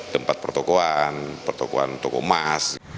tempat pertokoan pertokohan toko emas